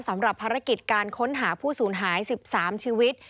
สำหรับภารกิจการค้นหาผู้สูญหาย๑๓ชีวิต